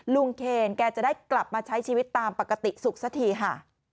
เคนแกจะได้กลับมาใช้ชีวิตตามปกติสุขสักทีค่ะ